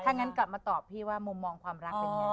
ถ้างั้นกลับมาตอบพี่ว่ามุมมองความรักเป็นยังไง